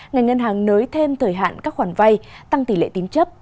ngành ngân hàng nới thêm thời hạn các khoản vai tăng tỷ lệ tím chấp